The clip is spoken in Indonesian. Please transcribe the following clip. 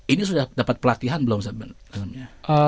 ini sudah dapat pelatihan belum sebenarnya